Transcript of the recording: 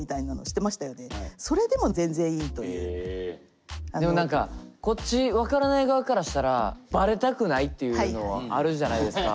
今倉木さん最後にでも何かこっち分からない側からしたらバレたくないっていうのあるじゃないですか。